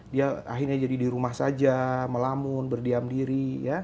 dia akhirnya jadi di rumah saja melamun berdiam diri